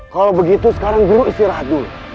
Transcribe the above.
kalau begitu sekarang guru istirahat dulu